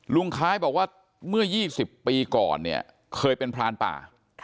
คล้ายบอกว่าเมื่อ๒๐ปีก่อนเนี่ยเคยเป็นพรานป่า